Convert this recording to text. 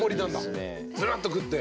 ずるっと食って。